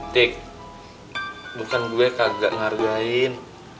tik bukan gue kagak ngargain